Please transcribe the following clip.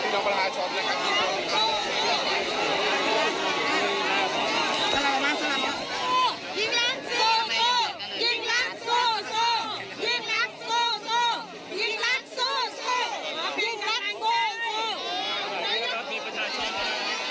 หิ่งรักสโตหิ่งรักโตสุ